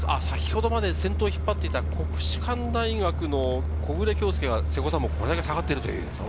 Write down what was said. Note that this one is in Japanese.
先程まで先頭を引っ張っていた国士舘大学の木榑杏祐がこれだけ下がっているという。